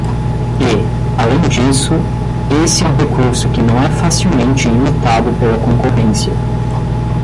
E, além disso, esse é um recurso que não é facilmente imitado pela concorrência.